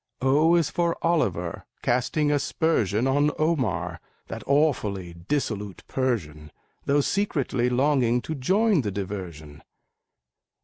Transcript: O is for Oliver, casting aspersion On Omar, that awfully dissolute Persian, Though secretly longing to join the diversion.